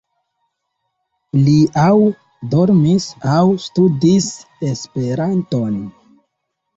Li aŭ dormis aŭ studis Esperanton.